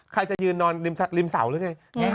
ใครจะยืนนอนริมเสาหรือไง